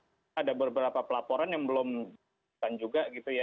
jadi saya rasa ada beberapa pelaporan yang belum dilihat juga gitu ya